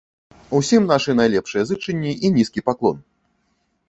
Усім нашы найлепшыя зычэнні і нізкі паклон.